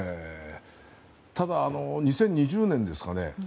ただ、２０２０年ですかね。